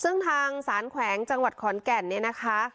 ซึ่งทางสารแขวงจังหวัดขอนแก่นเนี่ยนะคะ